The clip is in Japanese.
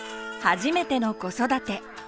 初めての子育て。